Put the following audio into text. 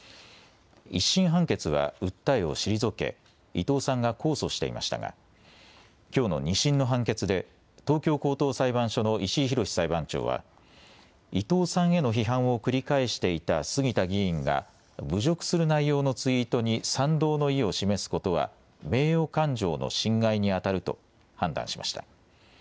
１審判決は訴えを退け伊藤さんが控訴していましたが、きょうの２審の判決で東京高等裁判所の石井浩裁判長は伊藤さんへの批判を繰り返していた杉田議員が、侮辱する内容のツイートに賛同の意を示すことは名誉感情の侵害にあたると判断しました。